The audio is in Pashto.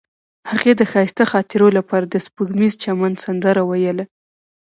هغې د ښایسته خاطرو لپاره د سپوږمیز چمن سندره ویله.